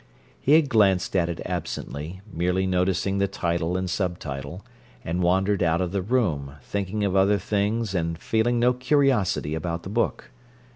He had glanced at it absently, merely noticing the title and sub title, and wandered out of the room, thinking of other things and feeling no curiosity about the book.